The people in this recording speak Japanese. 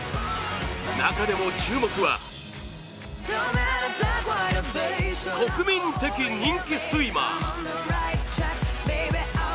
中でも注目は国民的人気スイマー。